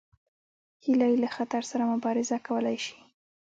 هیلۍ له خطر سره مبارزه کولی شي